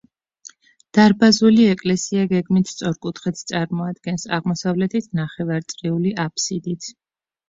დარბაზული ეკლესია გეგმით სწორკუთხედს წარმოადგენს, აღმოსავლეთით ნახევარწრიული აფსიდით.